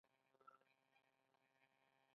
د شیوا او وشنو مجسمې شته